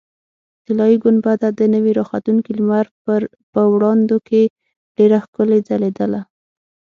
طلایي ګنبده د نوي راختونکي لمر په وړانګو کې ډېره ښکلې ځلېدله.